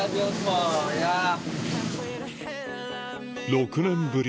６年ぶり